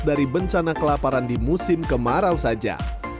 dari bencana kelaparan di musim kemarau saja